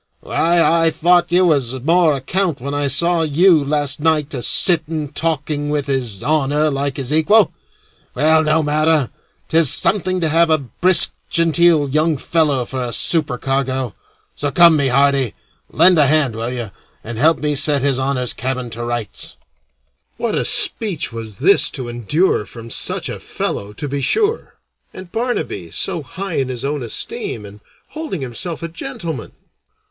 Why, I thought you was more account when I saw you last night a sitting talking with His Honor like his equal. Well, no matter; 'tis something to have a brisk, genteel young fellow for a supercargo. So come, my hearty, lend a hand, will you, and help me set His Honor's cabin to rights." What a speech was this to endure from such a fellow, to be sure! and Barnaby so high in his own esteem, and holding himself a gentleman!